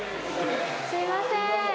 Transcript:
すいません